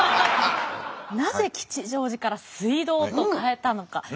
なぜ吉祥寺から水道と変えたのか。